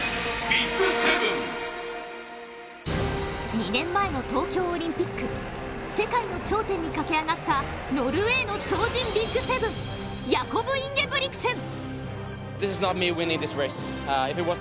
２年前の東京オリンピック、世界の頂点に駆け上がったノルウェーの超人ＢＩＧ７、ヤコブ・インゲブリクセン。